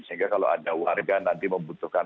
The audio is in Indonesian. sehingga kalau ada warga nanti membutuhkan